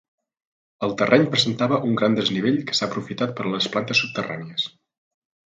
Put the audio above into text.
El terreny presentava un gran desnivell que s'ha aprofitat per a les plantes subterrànies.